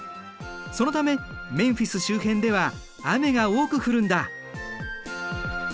そのためメンフィス周辺では雨が多く降るんだ。